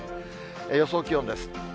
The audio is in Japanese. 予想気温です。